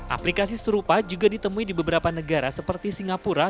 aplikasi serupa juga ditemui di beberapa negara seperti singapura